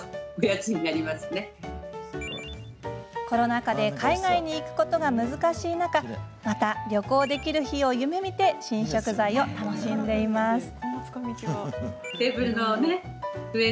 コロナ禍で海外に行くことが難しい中また旅行できる日を夢みて新食材を楽しんでいます。